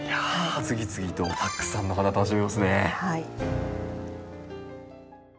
次々とたくさんの花楽しめますね。